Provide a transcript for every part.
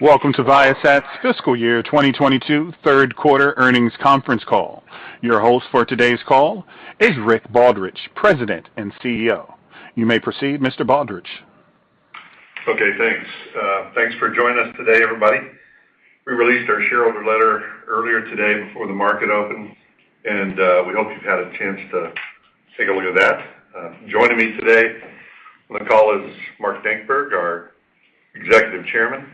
Welcome to Viasat's fiscal year 2022 third quarter earnings conference call. Your host for today's call is Rick Baldridge, President and CEO. You may proceed, Mr. Baldridge. Okay, thanks. Thanks for joining us today, everybody. We released our shareholder letter earlier today before the market opened, and we hope you've had a chance to take a look at that. Joining me today on the call is Mark Dankberg, our Executive Chairman,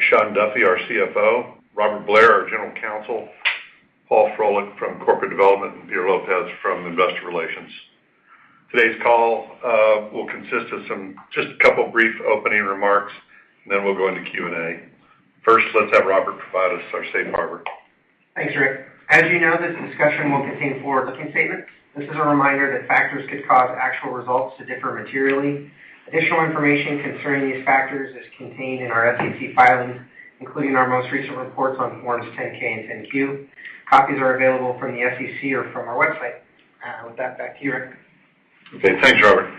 Shawn Duffy, our CFO, Robert Blair, our General Counsel, Paul Froelich from Corporate Development, and Peter Lopez from Investor Relations. Today's call will consist of just a couple of brief opening remarks, and then we'll go into Q&A. First, let's have Robert provide us our safe harbor. Thanks, Rick. As you know, this discussion will contain forward-looking statements. This is a reminder that factors could cause actual results to differ materially. Additional information concerning these factors is contained in our SEC filings, including our most recent reports on Forms 10-K and 10-Q. Copies are available from the SEC or from our website. With that, back to you, Rick. Okay. Thanks, Robert.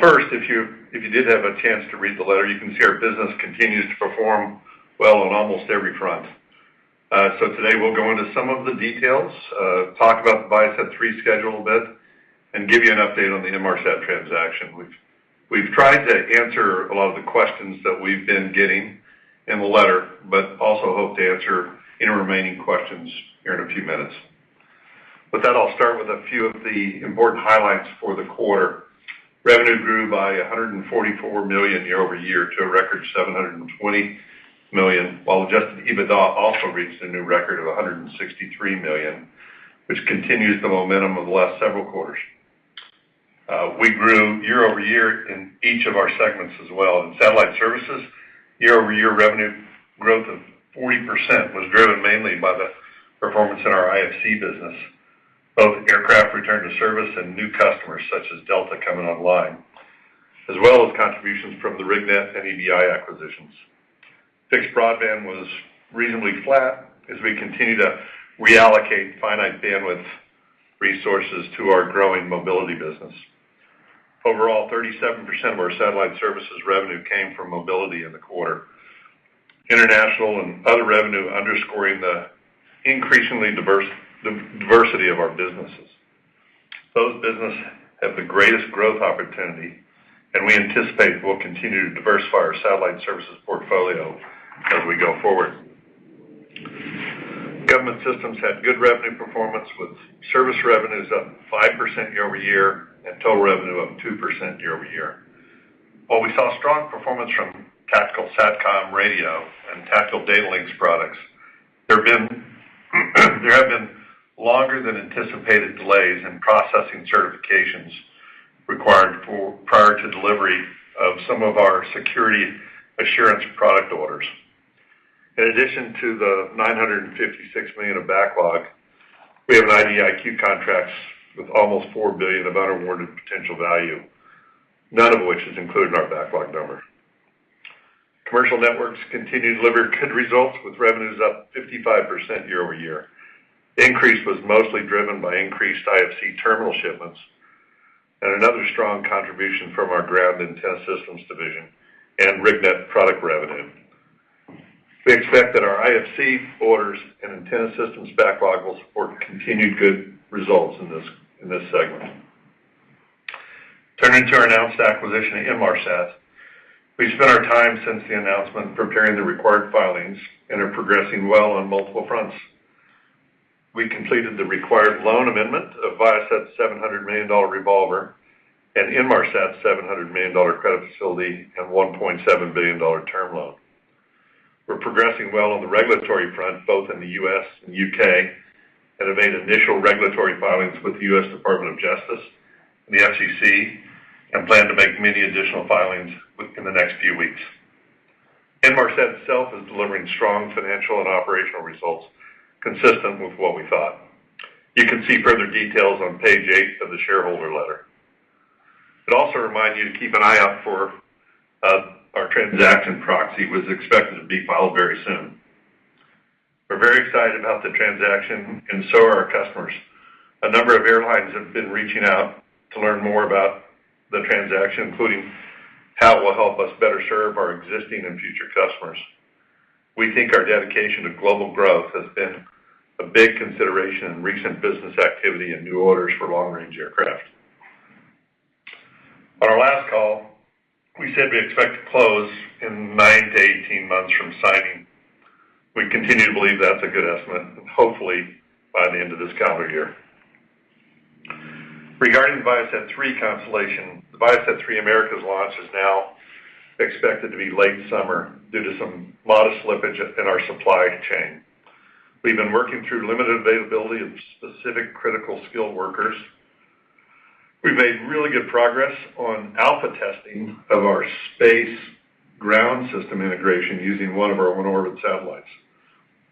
First, if you did have a chance to read the letter, you can see our business continues to perform well on almost every front. Today, we'll go into some of the details, talk about the ViaSat-3 schedule a bit, and give you an update on the Inmarsat transaction. We've tried to answer a lot of the questions that we've been getting in the letter, but also hope to answer any remaining questions here in a few minutes. With that, I'll start with a few of the important highlights for the quarter. Revenue grew by $144 million year-over-year to a record $720 million, while Adjusted EBITDA also reached a new record of $163 million, which continues the momentum of the last several quarters. We grew year-over-year in each of our segments as well. In satellite services, year-over-year revenue growth of 40% was driven mainly by the performance in our IFC business. Both aircraft returned to service and new customers such as Delta coming online, as well as contributions from the RigNet and EBI acquisitions. Fixed broadband was reasonably flat as we continue to reallocate finite bandwidth resources to our growing mobility business. Overall, 37% of our satellite services revenue came from mobility in the quarter. International and other revenue, underscoring the increasingly diversity of our businesses. Those business have the greatest growth opportunity, and we anticipate we'll continue to diversify our satellite services portfolio as we go forward. Government Systems had good revenue performance, with service revenues up 5% year-over-year and total revenue up 2% year-over-year. While we saw strong performance from Tactical SATCOM radio and Tactical Data Links products, there have been longer than anticipated delays in processing certifications required prior to delivery of some of our security assurance product orders. In addition to the $956 million of backlog, we have 90 IDIQ contracts with almost $4 billion of unawarded potential value, none of which is included in our backlog number. Commercial Networks continued to deliver good results with revenues up 55% year-over-year. The increase was mostly driven by increased IFC terminal shipments and another strong contribution from our Ground Antenna Systems division and RigNet product revenue. We expect that our IFC orders and antenna systems backlog will support continued good results in this segment. Turning to our announced acquisition of Inmarsat. We've spent our time since the announcement preparing the required filings and are progressing well on multiple fronts. We completed the required loan amendment of Viasat's $700 million revolver and Inmarsat's $700 million credit facility and $1.7 billion term loan. We're progressing well on the regulatory front, both in the U.S. and U.K., and have made initial regulatory filings with the U.S. Department of Justice and the FCC, and plan to make many additional filings within the next few weeks. Inmarsat itself is delivering strong financial and operational results consistent with what we thought. You can see further details on page eight of the shareholder letter. I'd also remind you to keep an eye out for our transaction proxy, which is expected to be filed very soon. We're very excited about the transaction and so are our customers. A number of airlines have been reaching out to learn more about the transaction, including how it will help us better serve our existing and future customers. We think our dedication to global growth has been a big consideration in recent business activity and new orders for long-range aircraft. On our last call, we said we expect to close in 9-18 months from signing. We continue to believe that's a good estimate, hopefully by the end of this calendar year. Regarding ViaSat-3 constellation, the ViaSat-3 Americas launch is now expected to be late summer due to some modest slippage in our supply chain. We've been working through limited availability of specific critical skill workers. We've made really good progress on alpha testing of our space ground system integration using one of our own orbit satellites,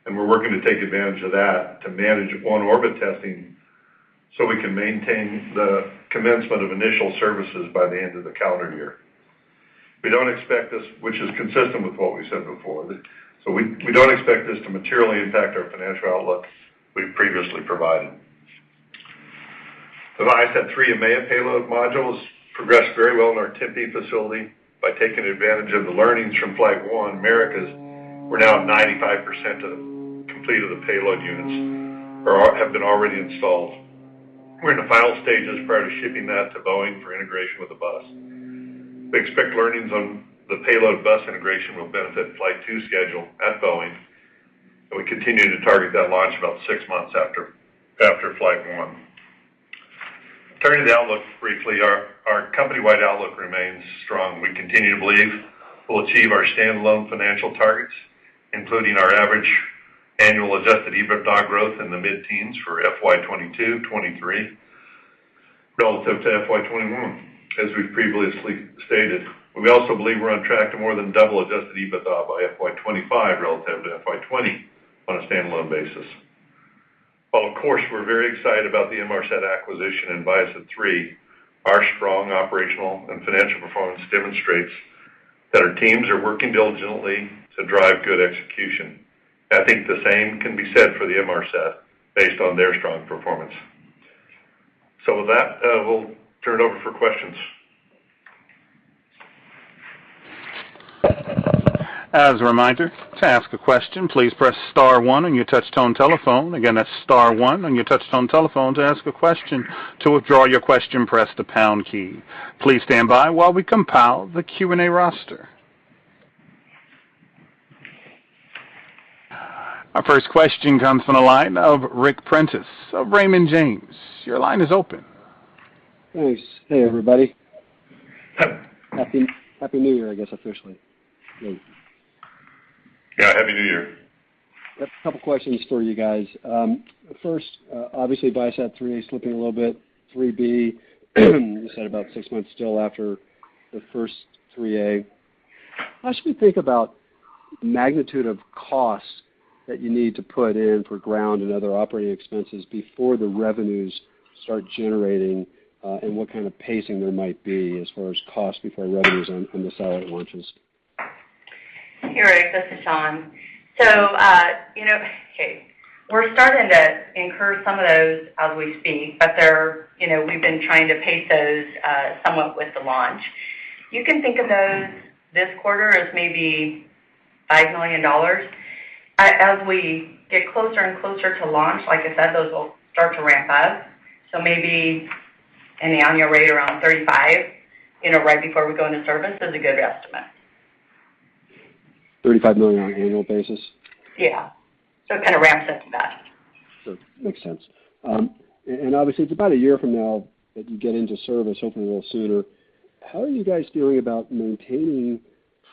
and we're working to take advantage of that to manage on-orbit testing, so we can maintain the commencement of initial services by the end of the calendar year. We don't expect this, which is consistent with what we said before. We don't expect this to materially impact our financial outlook we previously provided. The ViaSat-3 EMEA payload modules progressed very well in our Tempe facility by taking advantage of the learnings from flight one Americas. We're now at 95% complete of the payload units. They have already been installed. We're in the final stages prior to shipping that to Boeing for integration with the bus. We expect learnings on the payload bus integration will benefit flight two schedule at Boeing, and we continue to target that launch about six months after flight one. Turning to the outlook briefly. Our company-wide outlook remains strong. We continue to believe we'll achieve our standalone financial targets, including our average annual Adjusted EBITDA growth in the mid-teens for FY 2022/2023 relative to FY 2021, as we've previously stated. We also believe we're on track to more than double Adjusted EBITDA by FY 2025 relative to FY 2020 on a standalone basis. While, of course, we're very excited about the Inmarsat acquisition and ViaSat-3, our strong operational and financial performance demonstrates that our teams are working diligently to drive good execution. I think the same can be said for the Inmarsat based on their strong performance. With that, we'll turn it over for questions. As a reminder, to ask a question, please press star one on your touchtone telephone. Again, that's star one on your touchtone telephone to ask a question. To withdraw your question, press the pound key. Please stand by while we compile the Q&A roster. Our first question comes from the line of Ric Prentiss of Raymond James. Your line is open. Thanks. Hey, everybody. Happy, happy New Year, I guess, officially. Yeah, Happy New Year. A couple questions for you guys. First, obviously ViaSat-3A is slipping a little bit. ViaSat-3 B, you said about six months still after the first ViaSat-3 A. How should we think about the magnitude of costs that you need to put in for ground and other operating expenses before the revenues start generating, and what kind of pacing there might be as far as costs before revenues on the satellite launches? Hey, Ric. This is Shawn. You know, we're starting to incur some of those as we speak, but they're, you know, we've been trying to pace those somewhat with the launch. You can think of those this quarter as maybe $5 million. As we get closer and closer to launch, like I said, those will start to ramp up. Maybe an annual rate around $35 million, you know, right before we go into service is a good estimate. $35 million on an annual basis? Yeah. It kind of ramps up to that. Makes sense. It's about a year from now that you get into service, hopefully a little sooner. How are you guys feeling about maintaining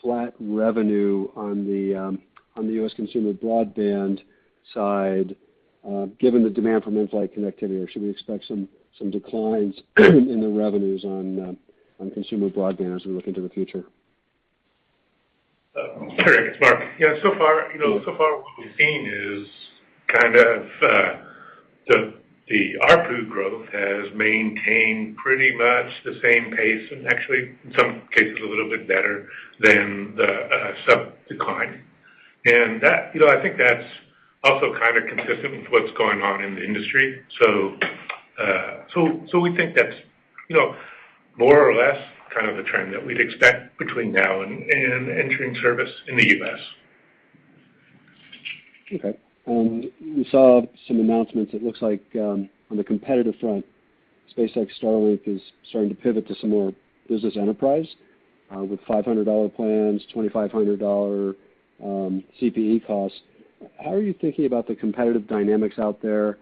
flat revenue on the U.S. consumer broadband side, given the demand for in-flight connectivity? Or should we expect some declines in the revenues on consumer broadband as we look into the future? Sure. It's Mark. Yeah. So far, you know, so far what we've seen is kind of the ARPU growth has maintained pretty much the same pace and actually in some cases, a little bit better than the sub decline. That, you know, I think that's also kind of consistent with what's going on in the industry. So we think that's, you know, more or less kind of the trend that we'd expect between now and entering service in the U.S. Okay. We saw some announcements. It looks like, on the competitive front, SpaceX Starlink is starting to pivot to some more business enterprise, with $500 plans, $2,500 CPE costs. How are you thinking about the competitive dynamics out there,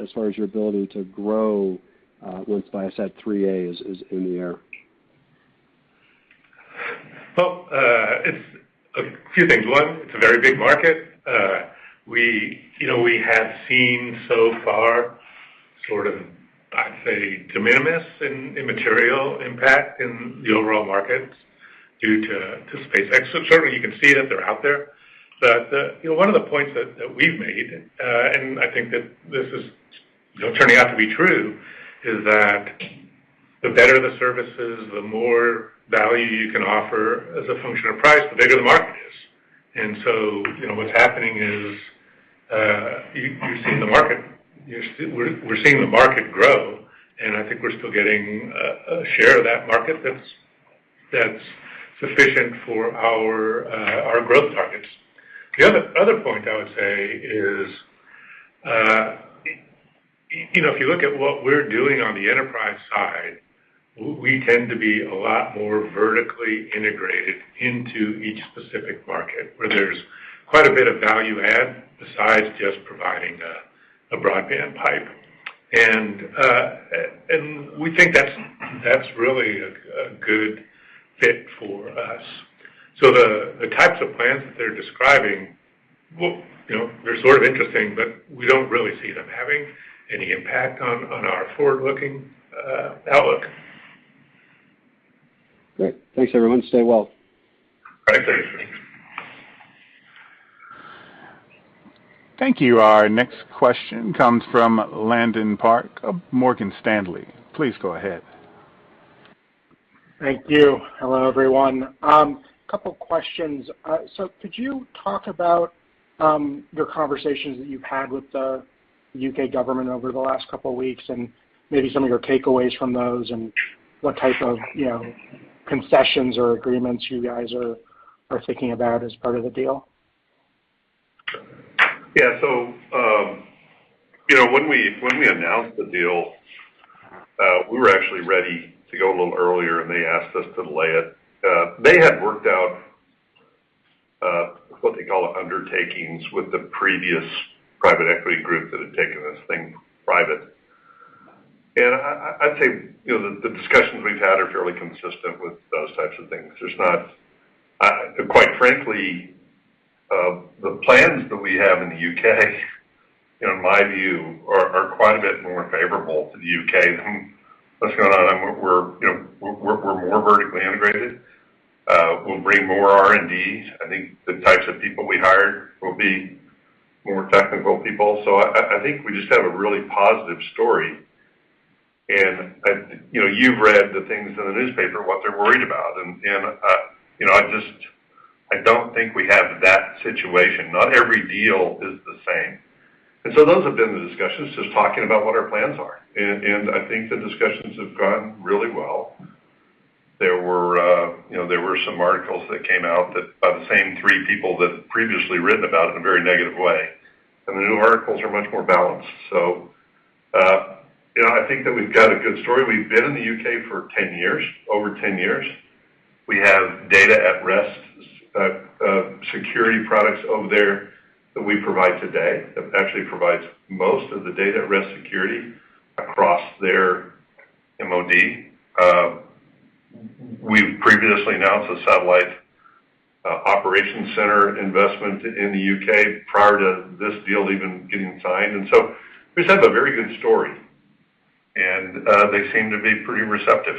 as far as your ability to grow, once ViaSat-3A is in the air? Well, it's a few things. One, it's a very big market. We, you know, we have seen so far, sort of, I'd say, de minimis in material impact in the overall markets due to SpaceX. Certainly, you can see it. They're out there. But. You know, one of the points that we've made, and I think that this is, you know, turning out to be true, is that the better the services, the more value you can offer as a function of price, the bigger the market is. You know, what's happening is, you've seen the market. We're seeing the market grow, and I think we're still getting a share of that market that's sufficient for our growth targets. The other point I would say is, you know, if you look at what we're doing on the enterprise side, we tend to be a lot more vertically integrated into each specific market, where there's quite a bit of value add besides just providing a broadband pipe. We think that's really a good fit for us. The types of plans that they're describing, well, you know, they're sort of interesting, but we don't really see them having any impact on our forward-looking outlook. Great. Thanks, everyone. Stay well. All right. Thanks. Thank you. Our next question comes from Landon Park of Morgan Stanley. Please go ahead. Thank you. Hello, everyone. Couple questions. Could you talk about the conversations that you've had with the U.K. government over the last couple weeks and maybe some of your takeaways from those, and what type of, you know, concessions or agreements you guys are thinking about as part of the deal? Yeah. You know, when we announced the deal, we were actually ready to go a little earlier, and they asked us to delay it. They had worked out what they call undertakings with the previous private equity group that had taken this thing private. I'd say, you know, the discussions we've had are fairly consistent with those types of things. Quite frankly, the plans that we have in the U.K., in my view, are quite a bit more favorable to the U.K. than what's going on. You know, we're more vertically integrated. We'll bring more R&Ds. I think the types of people we hire will be more technical people. I think we just have a really positive story. You know, you've read the things in the newspaper, what they're worried about. You know, I just don't think we have that situation. Not every deal is the same. Those have been the discussions, just talking about what our plans are. I think the discussions have gone really well. There were, you know, some articles that came out by the same three people that had previously written about in a very negative way, and the new articles are much more balanced. You know, I think that we've got a good story. We've been in the U.K. for 10 years, over 10 years. We have data at rest security products over there that we provide today, that actually provides most of the data at rest security across their MOD. We've previously announced a satellite operations center investment in the U.K. prior to this deal even getting signed. We just have a very good story, and they seem to be pretty receptive.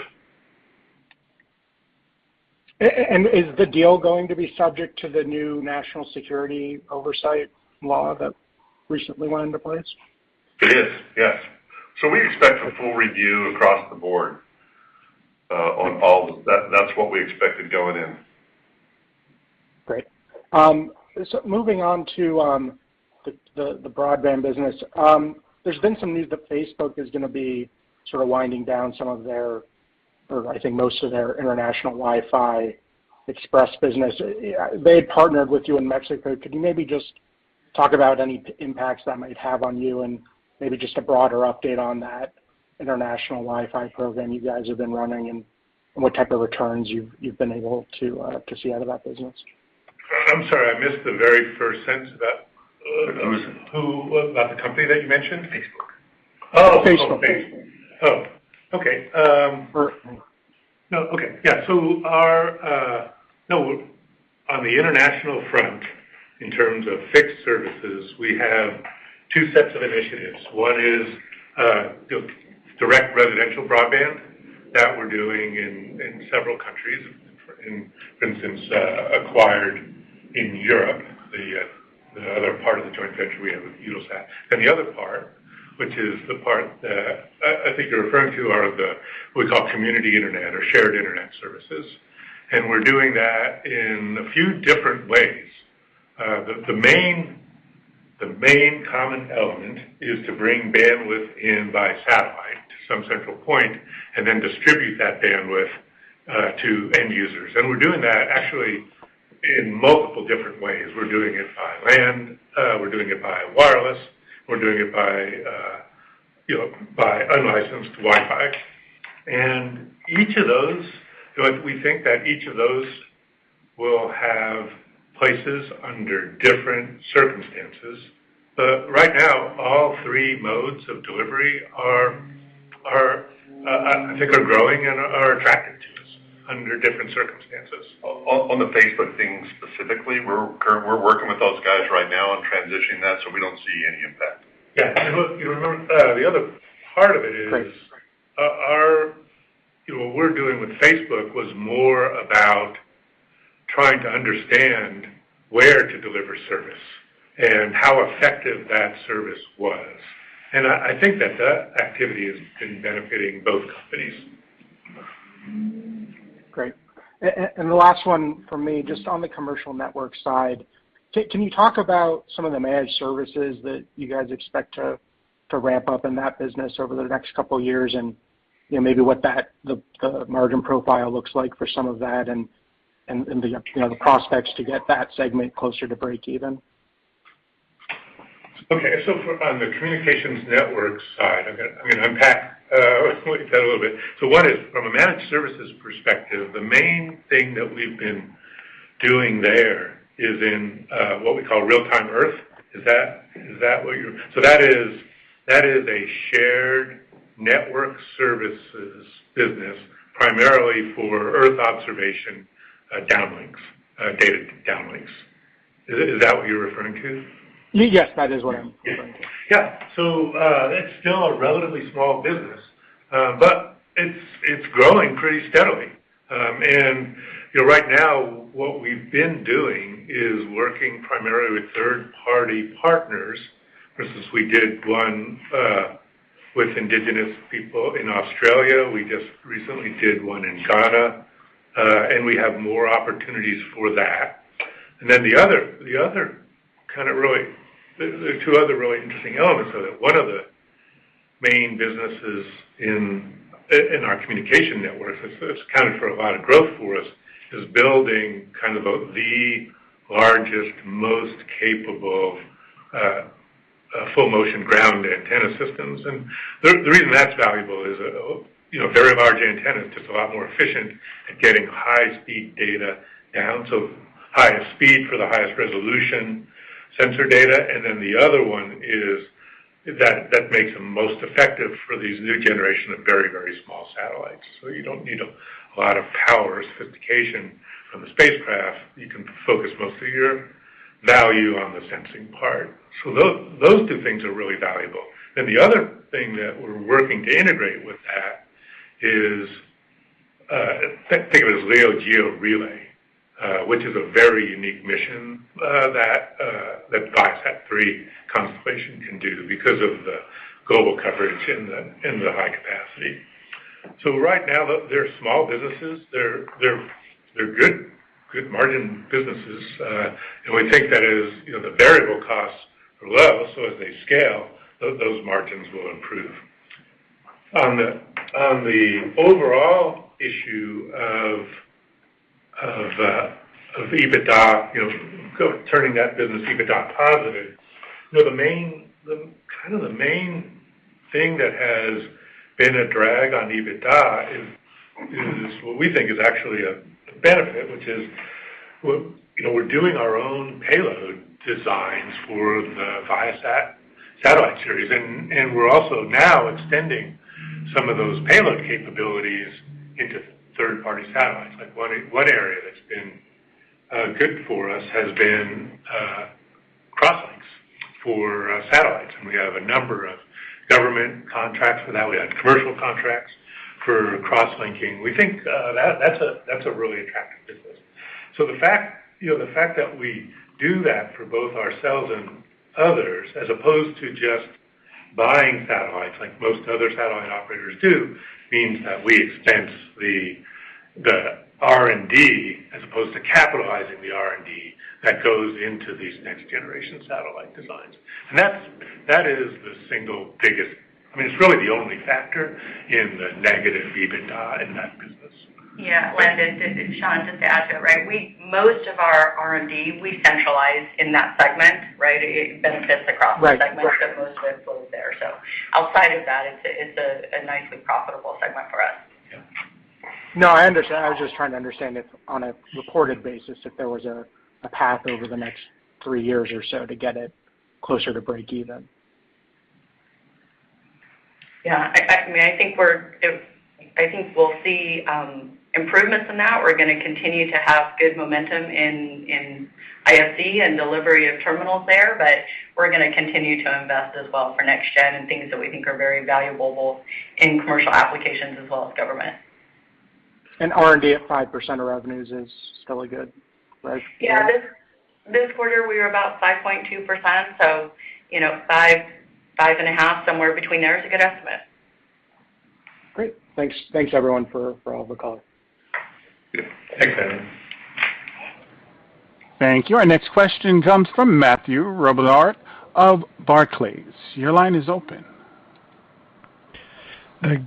Is the deal going to be subject to the new national security oversight law that recently went into place? It is, yes. We expect a full review across the board. That's what we expected going in. Great. So moving on to the broadband business. There's been some news that Facebook is gonna be sort of winding down some of their, or I think most of their international Express Wi-Fi business. They had partnered with you in Mexico. Could you maybe just talk about any impacts that might have on you and maybe just a broader update on that international Wi-Fi program you guys have been running and what type of returns you've been able to to see out of that business? I'm sorry, I missed the very first sentence of that. Who- Who, the company that you mentioned? Facebook. Oh. Facebook. Oh, okay. Starlink. On the international front, in terms of fixed services, we have two sets of initiatives. One is the direct residential broadband that we're doing in several countries, for instance, Inmarsat in Europe, the other part of the joint venture we have with Eutelsat. The other part, which is the part that I think you're referring to, are the what we call community internet or shared internet services. We're doing that in a few different ways. The main common element is to bring bandwidth in by satellite to some central point and then distribute that bandwidth to end users. We're doing that actually in multiple different ways. We're doing it by LAN. We're doing it by wireless. We're doing it by, you know, by unlicensed Wi-Fi. Each of those, you know, we think that each of those will have places under different circumstances. Right now, all three modes of delivery are, I think, growing and are attractive to us under different circumstances. On the Facebook thing specifically, we're working with those guys right now on transitioning that, so we don't see any impact. Yeah. Look, you know, the other part of it is Right. You know, what we're doing with Facebook was more about trying to understand where to deliver service and how effective that service was. I think that activity has been benefiting both companies. Great. The last one from me, just on the commercial network side, can you talk about some of the managed services that you guys expect to ramp up in that business over the next couple years and, you know, maybe what that, the margin profile looks like for some of that and, the, you know, the prospects to get that segment closer to breakeven? Okay. On the communications network side, I'm gonna unpack, look at that a little bit. One is from a managed services perspective, the main thing that we've been doing there is in what we call Real-Time Earth. Is that what you're referring to? That is a shared network services business primarily for Earth observation downlinks, data downlinks. Is that what you're referring to? Yes, that is what I'm referring to. Yeah, that's still a relatively small business, but it's growing pretty steadily. You know, right now what we've been doing is working primarily with third-party partners. For instance, we did one with indigenous people in Australia. We just recently did one in Ghana, and we have more opportunities for that. Then the other kind of really interesting elements are that one of the main businesses in our communication network that's accounted for a lot of growth for us is building kind of the largest, most capable full motion ground antenna systems. The reason that's valuable is, you know, very large antenna is just a lot more efficient at getting high speed data down. Highest speed for the highest resolution sensor data. The other one is that makes them most effective for these new generation of very, very small satellites. You don't need a lot of power or sophistication from the spacecraft. You can focus most of your value on the sensing part. Those two things are really valuable. The other thing that we're working to integrate with that is, think of it as LEO GEO relay, which is a very unique mission, that ViaSat-3 constellation can do because of the global coverage and the high capacity. Right now, they're small businesses. They're good margin businesses. We think that is, you know, the variable costs are low, so as they scale, those margins will improve. On the overall issue of EBITDA, you know, going to turn that business EBITDA positive. You know, the main thing that has been a drag on EBITDA is what we think is actually a benefit, which is, you know, we're doing our own payload designs for the Viasat satellite series. We're also now extending some of those payload capabilities into third-party satellites. Like, one area that's been good for us has been crosslinks for satellites, and we have a number of government contracts for that. We have commercial contracts for cross-linking. We think that that's a really attractive business. The fact, you know, the fact that we do that for both ourselves and others, as opposed to just buying satellites like most other satellite operators do, means that we expense the R&D as opposed to capitalizing the R&D that goes into these next generation satellite designs. That's the single biggest. I mean, it's really the only factor in the negative EBITDA in that business. Yeah. Shawn, just to add to it, right? Most of our R&D, we centralize in that segment, right? It benefits across the segments. Right. Most of it flows there. Outside of that, it's a nicely profitable segment for us. Yeah. No, I understand. I was just trying to understand if on a reported basis, if there was a path over the next three years or so to get it closer to breakeven. Yeah, I mean, I think we'll see improvements in that. We're gonna continue to have good momentum in IFC and delivery of terminals there. We're gonna continue to invest as well for next-gen and things that we think are very valuable in commercial applications as well as government. R&D at 5% of revenues is still a good range for you? Yeah. This quarter, we were about 5.2%, so you know, 5%-5.5%, somewhere between there is a good estimate. Great. Thanks. Thanks, everyone, for all the color. Thanks, Landon. Thank you. Our next question comes from Matthew Bouley. Your line is open.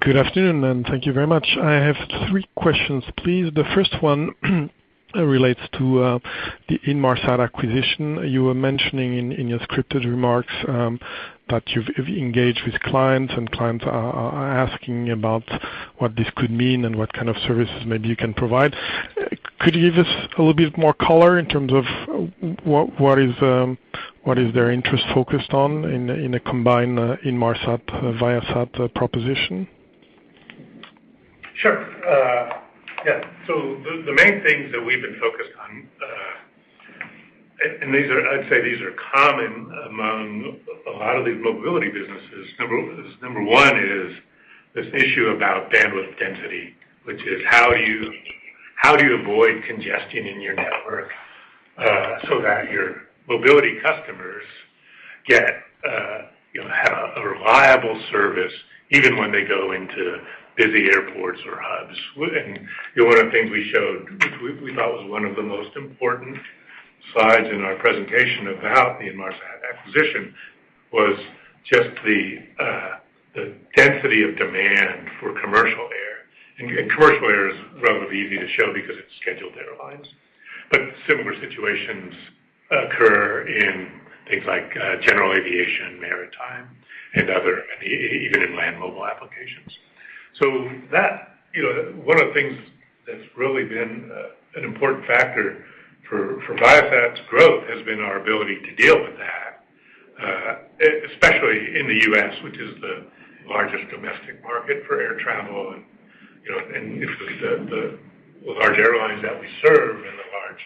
Good afternoon, and thank you very much. I have three questions, please. The first one relates to the Inmarsat acquisition. You were mentioning in your scripted remarks that you've engaged with clients, and clients are asking about what this could mean and what kind of services maybe you can provide. Could you give us a little bit more color in terms of what is their interest focused on in a combined Inmarsat-Viasat proposition? Sure. The main things that we've been focused on, and these are. I'd say these are common among a lot of these mobility businesses. Number one is this issue about bandwidth density, which is how do you avoid congestion in your network, so that your mobility customers get you know have a reliable service even when they go into busy airports or hubs. One of the things we showed, which we thought was one of the most important slides in our presentation about the Inmarsat acquisition, was just the density of demand for commercial air. Commercial air is relatively easy to show because it's scheduled airlines. Similar situations occur in things like general aviation, maritime, and other even in land mobile applications. That, you know, one of the things that's really been an important factor for Viasat's growth has been our ability to deal with that, especially in the U.S., which is the largest domestic market for air travel. You know, it's the large airlines that we serve and the large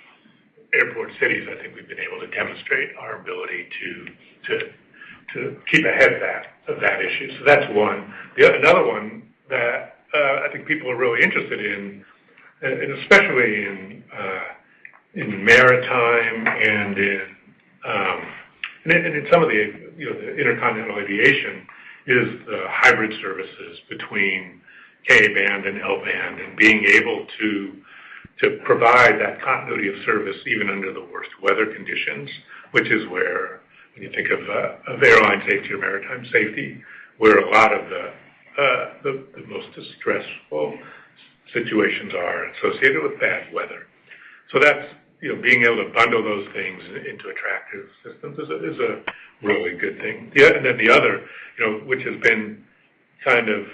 airport cities. I think we've been able to demonstrate our ability to keep ahead of that issue. That's one. Another one that I think people are really interested in, and especially in maritime and in some of the, you know, the intercontinental aviation, is the hybrid services between Ka-band and L-band, and being able to provide that continuity of service even under the worst weather conditions. Which is where when you think of airline safety or maritime safety, where a lot of the most distressful situations are associated with bad weather. That's being able to bundle those things into attractive systems is a really good thing. The other, which has been kind of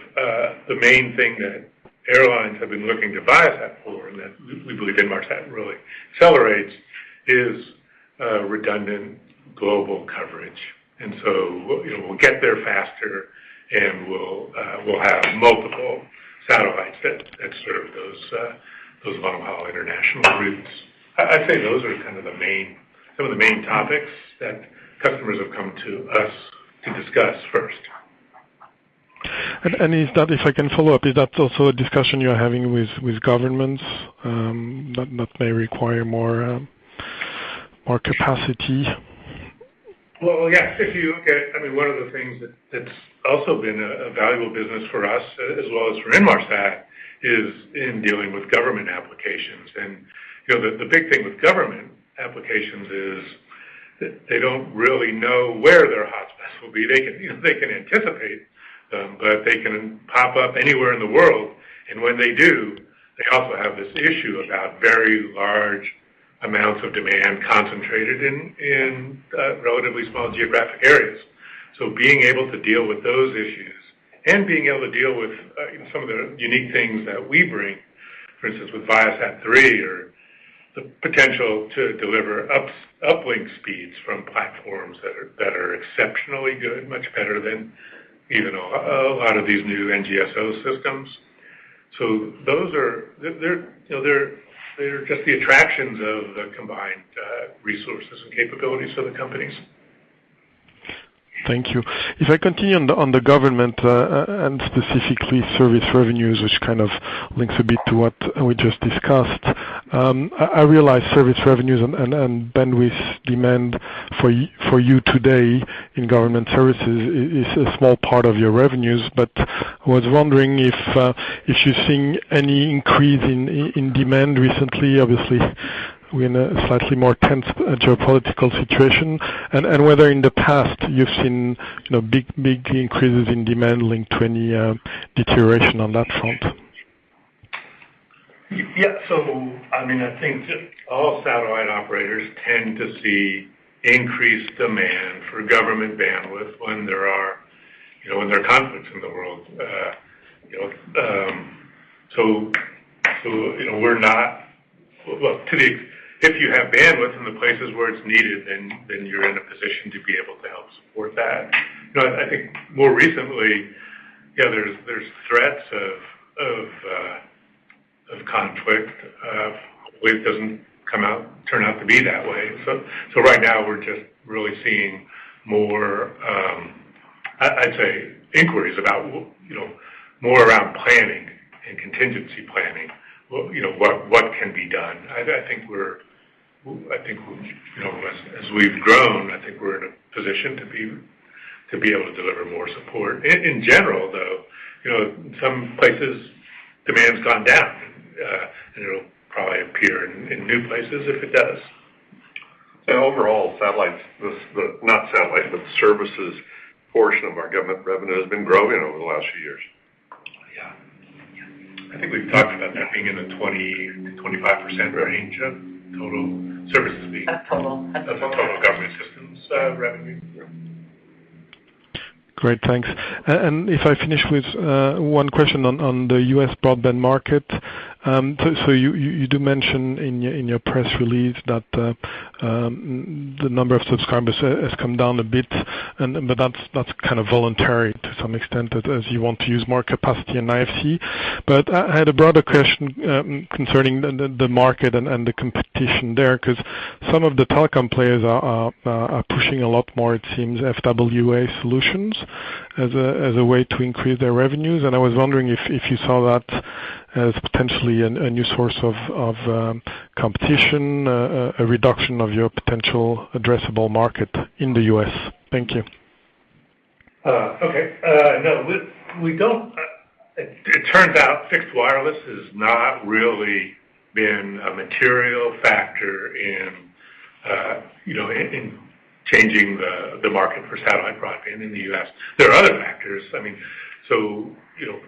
the main thing that airlines have been looking to Viasat for, and that we believe Inmarsat really accelerates, is redundant global coverage. You know, we'll get there faster, and we'll have multiple satellites that serve those long-haul international routes. I'd say those are kind of the main, some of the main topics that customers have come to us to discuss first. If I can follow up, is that also a discussion you're having with governments that they require more capacity? Well, yes, if you look at. I mean, one of the things that's also been a valuable business for us, as well as for Inmarsat, is in dealing with government applications. You know, the big thing with government applications is they don't really know where their hotspots will be. They can, you know, they can anticipate them, but they can pop up anywhere in the world. When they do, they also have this issue about very large amounts of demand concentrated in relatively small geographic areas. Being able to deal with those issues and being able to deal with some of the unique things that we bring, for instance, with ViaSat-3 or the potential to deliver uplink speeds from platforms that are exceptionally good, much better than even a lot of these new NGSO systems. They're, you know, just the attractions of the combined resources and capabilities of the companies. Thank you. If I continue on the government and specifically service revenues, which kind of links a bit to what we just discussed. I realize service revenues and bandwidth demand for you today in government services is a small part of your revenues. But I was wondering if you're seeing any increase in demand recently. Obviously, we're in a slightly more tense geopolitical situation. Whether in the past you've seen, you know, big increases in demand linked to any deterioration on that front. Yeah. I mean, I think all satellite operators tend to see increased demand for government bandwidth when there are, you know, conflicts in the world. You know, Well, if you have bandwidth in the places where it's needed, then you're in a position to be able to help support that. You know, I think more recently, yeah, there's threats of conflict. Hopefully it doesn't come out, turn out to be that way. Right now, we're just really seeing more, I'd say inquiries about, you know, more around planning and contingency planning. What, you know, what can be done. I think we're... I think we're, you know, as we've grown, I think we're in a position to be able to deliver more support. In general, though, you know, some places demand's gone down. It'll probably appear in new places if it does. Overall, not satellites, but the services portion of our government revenue has been growing over the last few years. Yeah. I think we've talked about that being in the 20%-25% range of total services fee. Of total. Of the total Government Systems revenue. Yeah. Great. Thanks. If I finish with one question on the U.S. broadband market. You do mention in your press release that the number of subscribers has come down a bit, but that's kind of voluntary to some extent, that as you want to use more capacity in IFC. I had a broader question concerning the market and the competition there, 'cause some of the telecom players are pushing a lot more, it seems, FWA solutions as a way to increase their revenues. I was wondering if you saw that as potentially a new source of competition, a reduction of your potential addressable market in the U.S. Thank you. It turns out fixed wireless has not really been a material factor in, you know, changing the market for satellite broadband in the U.S. There are other factors. I mean, you know,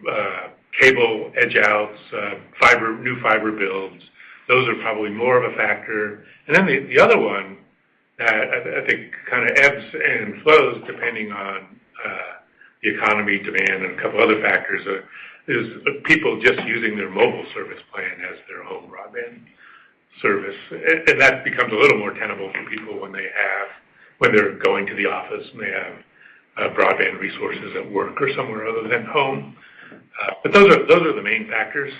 cable edge outs, fiber, new fiber builds, those are probably more of a factor. The other one that I think kind of ebbs and flows depending on the economy, demand, and a couple other factors is people just using their mobile service plan as their home broadband service. That becomes a little more tenable for people when they have, when they're going to the office, and they have broadband resources at work or somewhere other than home. Those are the main factors.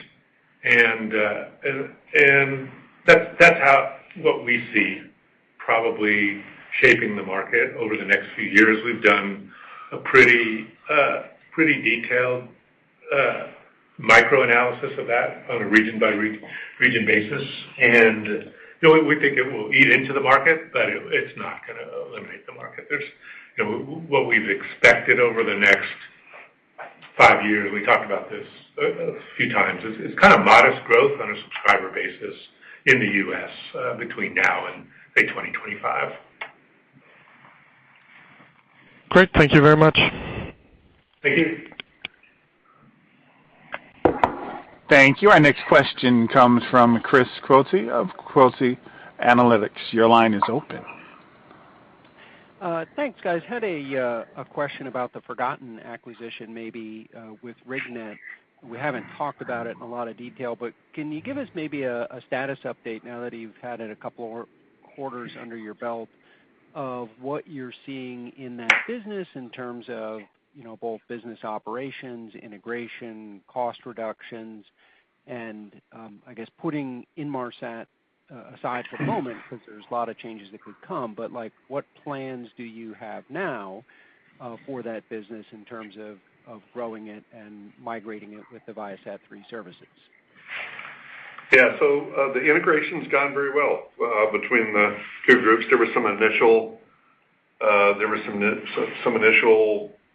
That's how what we see probably shaping the market over the next few years. We've done a pretty detailed micro-analysis of that on a region-by-region basis. You know, we think it will eat into the market, but it's not gonna eliminate the market. You know, what we've expected over the next five years, we talked about this a few times, is kind of modest growth on a subscriber basis in the U.S., between now and say 2025. Great. Thank you very much. Thank you. Thank you. Our next question comes from Chris Quilty of Quilty Analytics. Your line is open. Thanks, guys. I had a question about the forgotten acquisition, maybe, with RigNet. We haven't talked about it in a lot of detail, but can you give us maybe a status update now that you've had it a couple of quarters under your belt of what you're seeing in that business in terms of, you know, both business operations, integration, cost reductions, and, I guess, putting Inmarsat aside for the moment, since there's a lot of changes that could come, but, like, what plans do you have now for that business in terms of growing it and migrating it with the ViaSat-3 services? Yeah, the integration's gone very well between the two groups. There was some initial,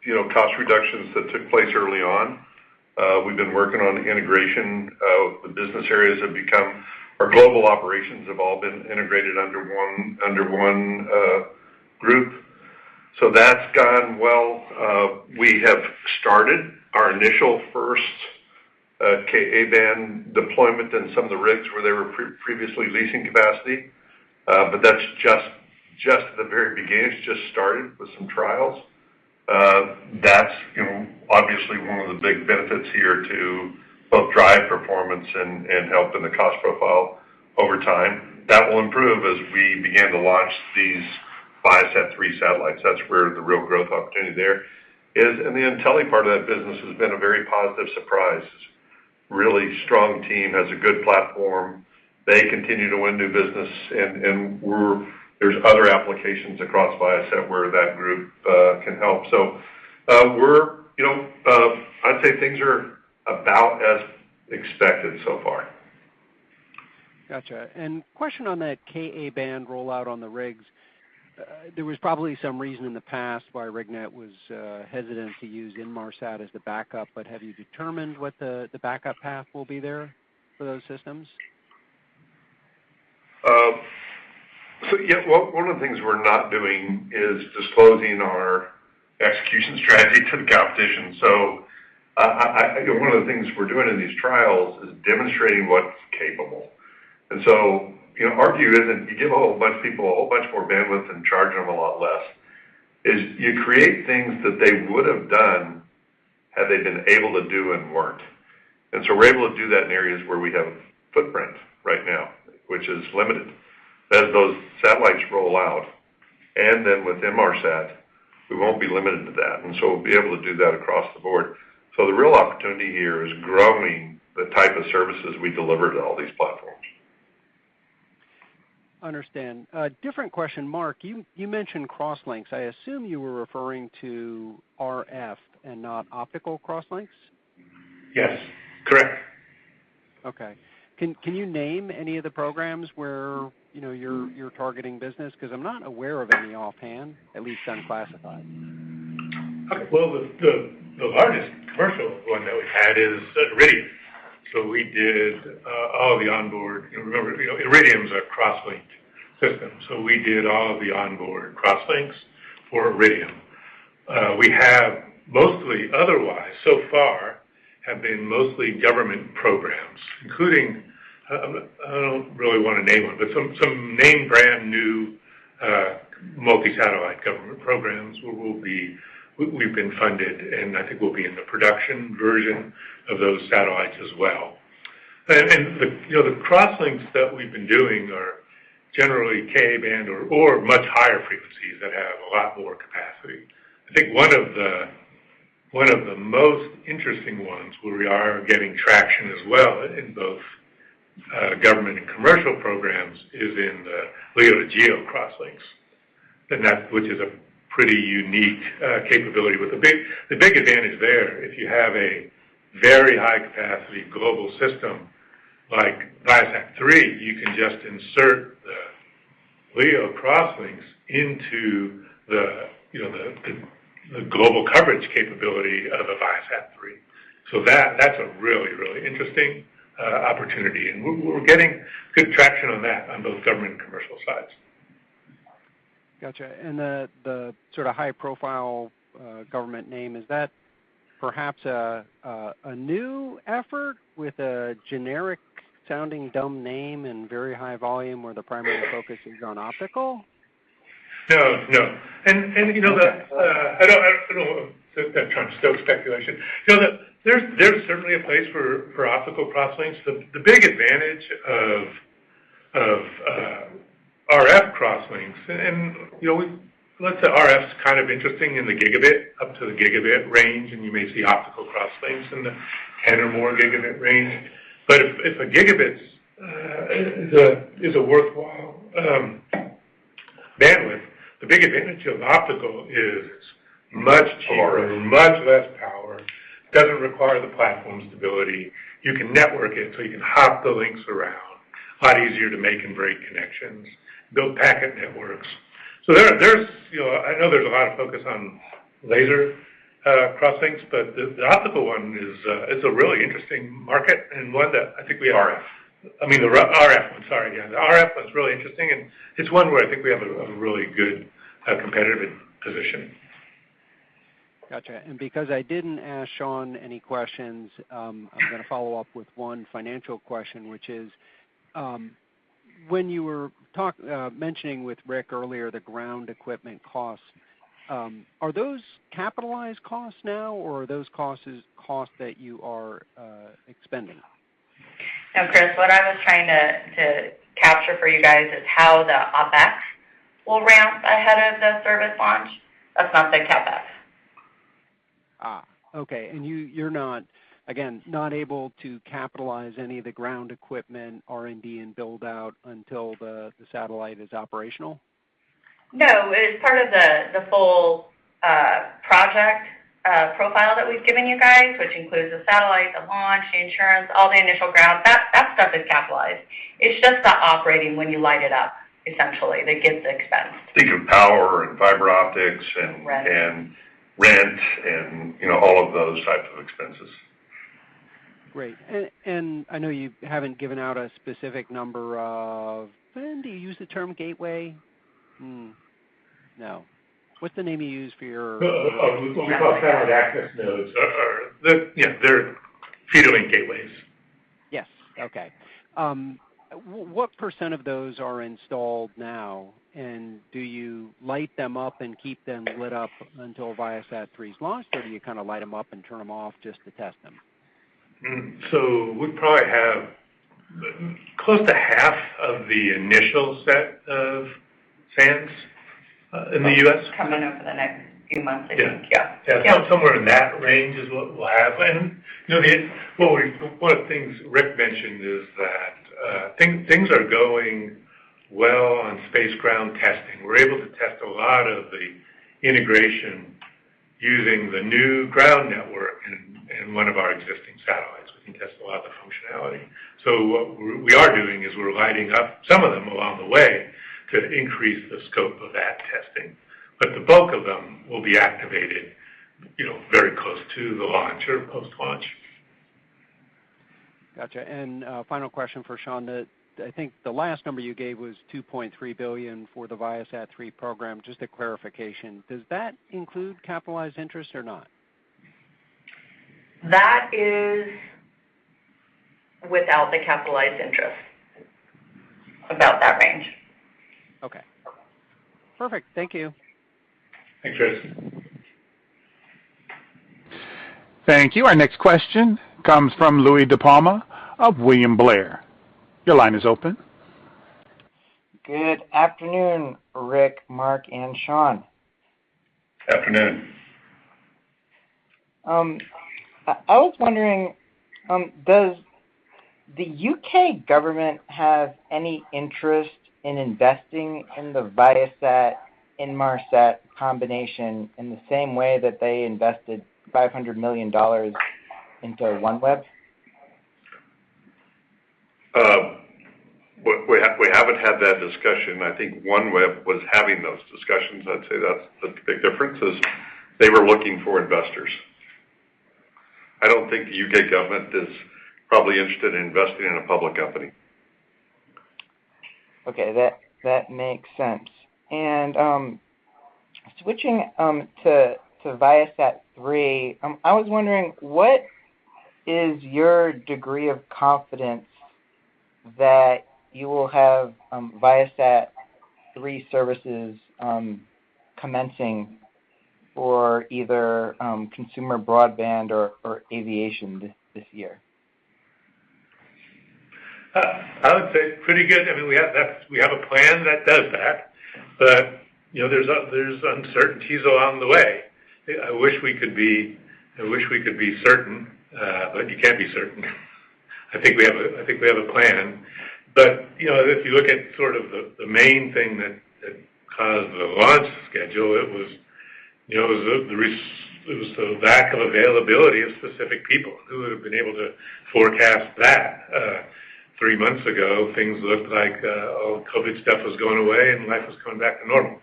you know, cost reductions that took place early on. We've been working on the integration of the business areas. Our global operations have all been integrated under one group. That's gone well. We have started our initial first Ka-band deployment in some of the rigs where they were previously leasing capacity, but that's just the very beginning. It's just started with some trials. That's, you know, obviously one of the big benefits here to both drive performance and help in the cost profile over time. That will improve as we begin to launch these ViaSat-3 satellites. That's where the real growth opportunity there is. The Intelie part of that business has been a very positive surprise. Really strong team, has a good platform. They continue to win new business, and there's other applications across Viasat where that group can help. We're, you know, I'd say things are about as expected so far. Gotcha. Question on that Ka-band rollout on the rigs. There was probably some reason in the past why RigNet was hesitant to use Inmarsat as the backup, but have you determined what the backup path will be there for those systems? Yeah. One of the things we're not doing is disclosing our execution strategy to the competition. You know, one of the things we're doing in these trials is demonstrating what's capable. You know, our view is if you give a whole bunch of people a whole bunch more bandwidth and charge them a lot less, is you create things that they would have done had they been able to do and weren't. We're able to do that in areas where we have footprint right now, which is limited. As those satellites roll out, and then with Inmarsat, we won't be limited to that, and we'll be able to do that across the board. The real opportunity here is growing the type of services we deliver to all these platforms. Understood. A different question. Mark, you mentioned crosslinks. I assume you were referring to RF and not optical crosslinks. Yes. Correct. Okay. Can you name any of the programs where, you know, you're targeting business? Because I'm not aware of any offhand, at least unclassified. The largest commercial one that we've had is Iridium. Remember, you know, Iridium's a cross-linked system, so we did all of the onboard crosslinks for Iridium. We have mostly otherwise so far have been mostly government programs, including, I don't really wanna name them, but some name-brand new multi-satellite government programs where we've been funded, and I think we'll be in the production version of those satellites as well. You know, the crosslinks that we've been doing are generally Ka-band or much higher frequencies that have a lot more capacity. I think one of the most interesting ones where we are getting traction as well in both government and commercial programs is in the LEO to GEO crosslinks. Which is a pretty unique capability. With the big advantage there, if you have a very high-capacity global system like ViaSat-3, you can just insert the LEO crosslinks into the you know global coverage capability of a ViaSat-3. That's a really interesting opportunity, and we're getting good traction on that on both government and commercial sides. Gotcha. The sort of high-profile government name, is that perhaps a new effort with a generic-sounding domain name and very high volume where the primary focus is on optical? No. You know, the. Okay. I don't wanna try and stir up speculation. You know, there's certainly a place for optical crosslinks. The big advantage of RF crosslinks, and you know, well, the RF's kind of interesting in the gigabit up to the gigabit range, and you may see optical crosslinks in the 10 or more gigabit range. But if a gigabit is a worthwhile bandwidth, the big advantage of optical is much cheaper, much less power, doesn't require the platform stability. You can network it, so you can hop the links around, a lot easier to make and break connections, build packet networks. There's, you know, I know there's a lot of focus on laser cross links, but the optical one is a really interesting market, and one that I think we have. RF. I mean, the RF one. Sorry, yeah. The RF one's really interesting, and it's one where I think we have a really good competitive position. Gotcha. Because I didn't ask Shawn any questions, I'm gonna follow up with one financial question, which is, when you were mentioning with Rick earlier the ground equipment costs, are those capitalized costs now, or are those costs that you are expending? No, Chris, what I was trying to capture for you guys is how the OpEx will ramp ahead of the service launch. That's not the CapEx. Okay. You're not able to capitalize any of the ground equipment R&D and build out until the satellite is operational? No. As part of the full project profile that we've given you guys, which includes the satellite, the launch, the insurance, all the initial ground, that stuff is capitalized. It's just the operating when you light it up essentially that gets expensed. Think of power and fiber optics. Right. And rent and, you know, all of those types of expenses. Great. I know you haven't given out a specific number of... Ben, do you use the term gateway? No. What's the name you use for your- What we call satellite access nodes. Or the, yeah, they're feedlink gateways. Yes. Okay. What percent of those are installed now, and do you light them up and keep them lit up until ViaSat-3 is launched, or do you kind of light them up and turn them off just to test them? We probably have close to half of the initial set of SANs in the U.S. Coming over the next few months, I think. Yeah. Yeah. Yeah. Somewhere in that range is what we'll have. You know, one of the things Rick mentioned is that things are going well on space ground testing. We're able to test a lot of the integration using the new ground network in one of our existing satellites. We can test a lot of the functionality. What we are doing is we're lighting up some of them along the way to increase the scope of that testing. The bulk of them will be activated, you know, very close to the launch or post-launch. Gotcha. Final question for Shawn. I think the last number you gave was $2.3 billion for the ViaSat-3 program. Just a clarification. Does that include capitalized interest or not? That is without the capitalized interest. About that range. Okay. Perfect. Thank you. Thanks, Chris. Thank you. Our next question comes from Louie DiPalma of William Blair. Your line is open. Good afternoon, Rick, Mark, and Shawn. Afternoon. I was wondering, does the U.K. government have any interest in investing in the Viasat Inmarsat combination in the same way that they invested $500 million into OneWeb? We haven't had that discussion. I think OneWeb was having those discussions. I'd say that's the big difference, is they were looking for investors. I don't think the U.K. government is probably interested in investing in a public company. Okay. That makes sense. Switching to ViaSat-3, I was wondering what is your degree of confidence that you will have ViaSat-3 services commencing for either consumer broadband or aviation this year? I would say pretty good. I mean, we have that. We have a plan that does that. You know, there's uncertainties along the way. I wish we could be certain, but you can't be certain. I think we have a plan. You know, if you look at sort of the main thing that caused the launch schedule, it was the lack of availability of specific people. Who would have been able to forecast that three months ago? Things looked like all COVID stuff was going away, and life was coming back to normal.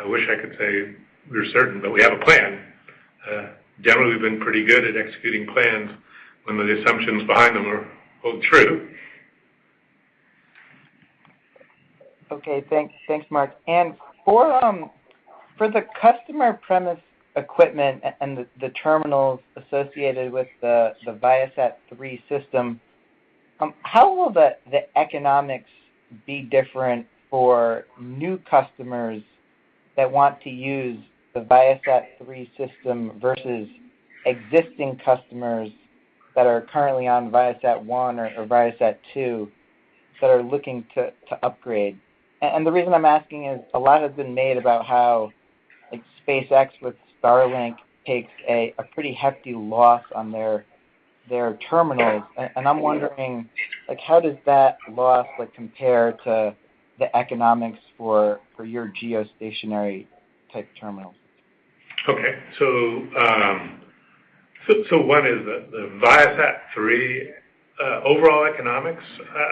I wish I could say we're certain, but we have a plan. Generally, we've been pretty good at executing plans when the assumptions behind them hold true. Okay, thanks. Thanks, Mark. For the customer premise equipment and the terminals associated with the ViaSat-3 system, how will the economics be different for new customers that want to use the ViaSat-3 system versus existing customers that are currently on ViaSat-1 or ViaSat-2 that are looking to upgrade. The reason I'm asking is, a lot has been made about how, like SpaceX with Starlink takes a pretty hefty loss on their terminals. I'm wondering, like, how does that loss, like, compare to the economics for your geostationary type terminals? Okay. One is the ViaSat-3 overall economics.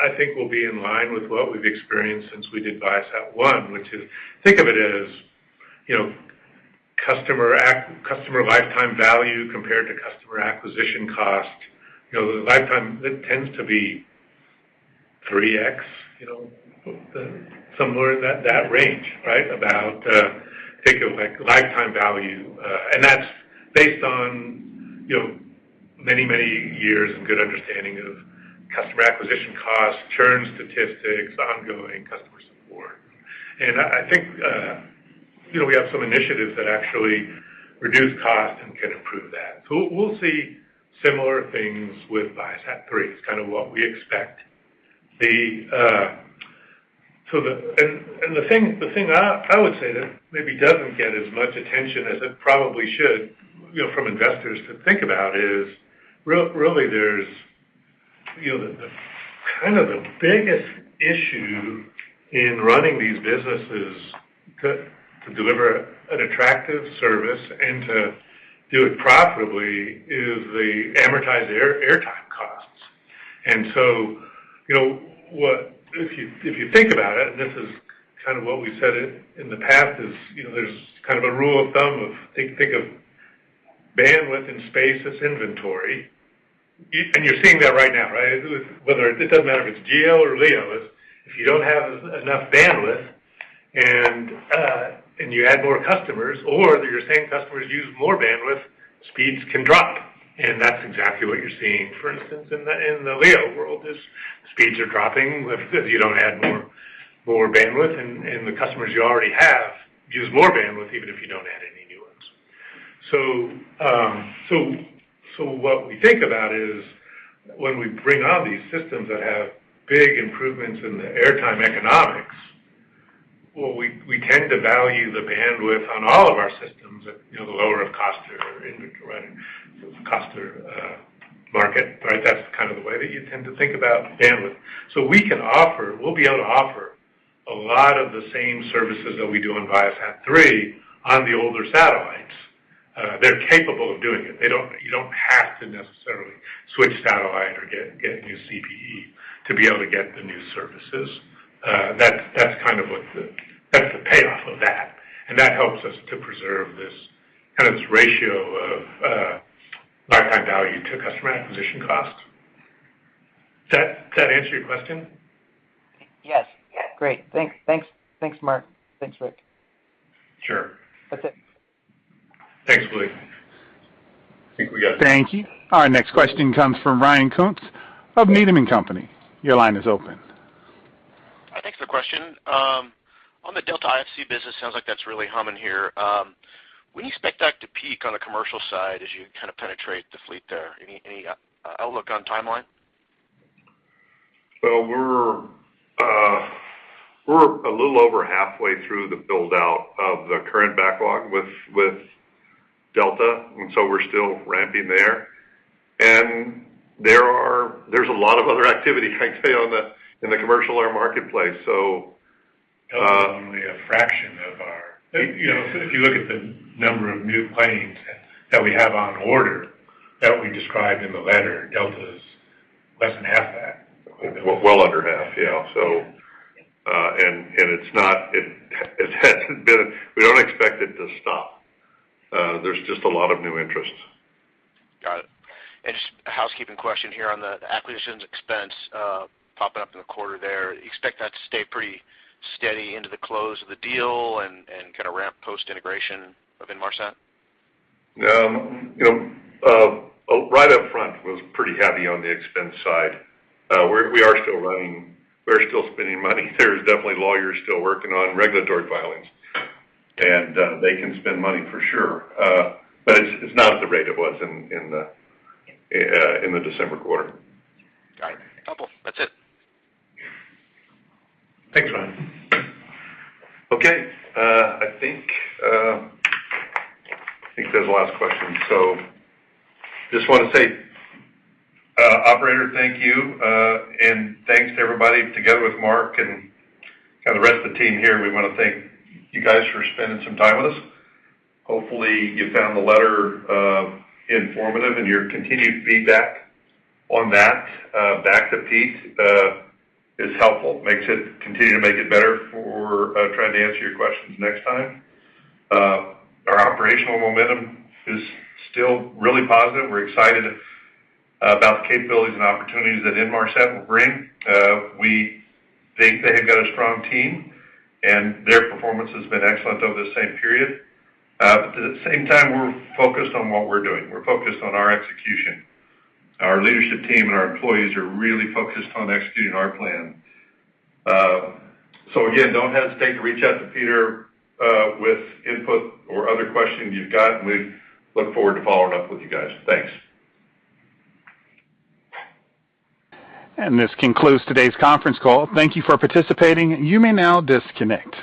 I think will be in line with what we've experienced since we did ViaSat-1, which is think of it as, you know, customer lifetime value compared to customer acquisition cost. You know, the lifetime, it tends to be 3x, you know, somewhere in that range, right? About, think of like lifetime value. And that's based on, you know, many years of good understanding of customer acquisition costs, churn statistics, ongoing customer support. I think, you know, we have some initiatives that actually reduce cost and can improve that. We'll see similar things with ViaSat-3. It's kind of what we expect. The thing I would say that maybe doesn't get as much attention as it probably should, you know, from investors to think about is really there's, you know, the kind of biggest issue in running these businesses to deliver an attractive service and to do it profitably is the amortized airtime costs. If you think about it, and this is kind of what we said in the past, you know, there's kind of a rule of thumb to think of bandwidth and space as inventory. You're seeing that right now, right? It doesn't matter if it's GEO or LEO. If you don't have enough bandwidth and you add more customers or your same customers use more bandwidth, speeds can drop. That's exactly what you're seeing. For instance, in the LEO world speeds are dropping if you don't add more bandwidth, and the customers you already have use more bandwidth even if you don't add any new ones. What we think about is when we bring on these systems that have big improvements in the airtime economics, we tend to value the bandwidth on all of our systems at, you know, the lower of cost or market, right, so the cost or market, right? That's kind of the way that you tend to think about bandwidth. We can offer. We'll be able to offer a lot of the same services that we do on ViaSat-3 on the older satellites. They're capable of doing it. They don't. You don't have to necessarily switch satellite or get new CPE to be able to get the new services. That's kind of what the payoff is. That's the payoff of that, and that helps us to preserve this kind of ratio of lifetime value to customer acquisition cost. Does that answer your question? Yes. Great. Thanks. Thanks, Mark. Thanks, Rick. Sure. That's it. Thanks, Louie. Thank you. Our next question comes from Ryan Koontz of Needham & Company. Your line is open. Thanks for the question. On the Delta IFC business, sounds like that's really humming here. When do you expect that to peak on the commercial side as you kind of penetrate the fleet there? Any outlook on timeline? Well, we're a little over halfway through the build-out of the current backlog with Delta, and so we're still ramping there. There's a lot of other activity, I'd say, in the commercial air marketplace. Delta's only a fraction of our. You know, if you look at the number of new planes that we have on order that we described in the letter, Delta's less than half that. Well under half. Yeah. It's not. It hasn't been. We don't expect it to stop. There's just a lot of new interest. Got it. Just a housekeeping question here on the acquisitions expense, popping up in the quarter there. You expect that to stay pretty steady into the close of the deal and kind of ramp post-integration of Inmarsat? You know, right up front was pretty heavy on the expense side. We are still spending money. There's definitely lawyers still working on regulatory filings. They can spend money for sure. It's not at the rate it was in the December quarter. Got it. That's it. Thanks, Ryan. Okay. I think that was the last question. Just wanna say, operator, thank you. Thanks to everybody. Together with Mark and, kind of, the rest of the team here, we wanna thank you guys for spending some time with us. Hopefully, you found the letter informative, and your continued feedback on that, back to Pete, is helpful. Continue to make it better for trying to answer your questions next time. Our operational momentum is still really positive. We're excited about the capabilities and opportunities that Inmarsat will bring. We think they have got a strong team, and their performance has been excellent over the same period. At the same time, we're focused on what we're doing. We're focused on our execution. Our leadership team and our employees are really focused on executing our plan. Don't hesitate to reach out to Peter with input or other questions you've got, and we look forward to following up with you guys. Thanks. This concludes today's conference call. Thank you for participating. You may now disconnect.